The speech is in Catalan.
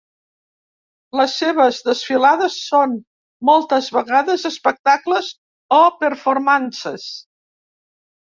Les seves desfilades són, moltes vegades, espectacles o performances.